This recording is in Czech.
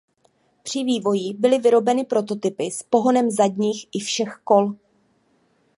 Při vývoji byly vyrobeny prototypy s pohonem zadních i všech kol.